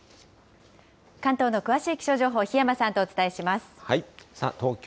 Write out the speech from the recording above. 関東の詳しい気象情報、檜山さんとお伝えします。